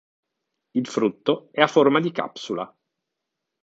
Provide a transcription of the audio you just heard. Il frutto è a forma di capsula.